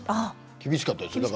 厳しかったですよ。